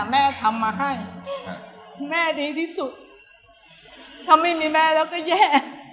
แม่ทำมาให้แม่ดีที่สุดถ้าไม่มีแม่แล้วก็แย่